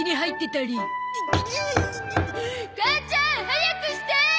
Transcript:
んぐぐ母ちゃん早くして！